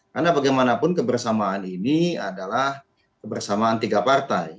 karena bagaimanapun kebersamaan ini adalah kebersamaan tiga partai